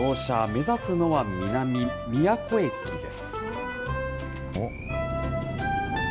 目指すのは、南、宮古駅です。